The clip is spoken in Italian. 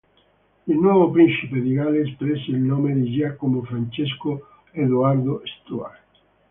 Il nuovo principe di Galles prese il nome di Giacomo Francesco Edoardo Stuart.